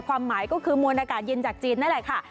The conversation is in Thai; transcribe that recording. ความหมายก็คือมวลอากาศเย็นจากจีนนั่นแหละค่ะ